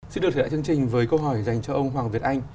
xin được thể đại chương trình với câu hỏi dành cho ông hoàng việt anh